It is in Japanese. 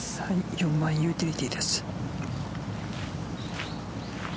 ４番ユーティリティーです。